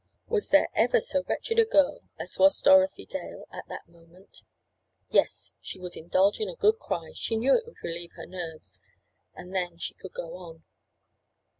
Was there ever so wretched a girl as was Dorothy Dale at that moment? Yes, she would indulge in a good cry—she knew it would relieve her nerves—and then she could go on.